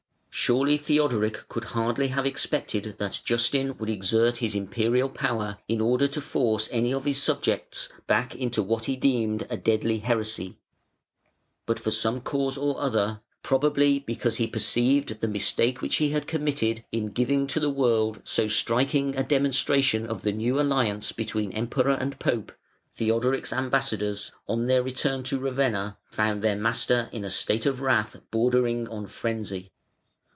Surely Theodoric could hardly have expected that Justin would exert his Imperial power in order to force any of his subjects back into what he deemed a deadly heresy. But for some cause or other, probably because he perceived the mistake which he had committed in giving to the world so striking a demonstration of the new alliance between Emperor and Pope, Theodoric's ambassadors, on their return to Ravenna, found their master in a state of wrath bordering on frenzy.